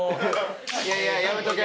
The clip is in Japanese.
いやいややめとけ！